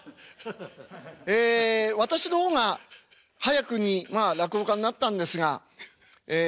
ええ私の方が早くにまあ落語家になったんですがええ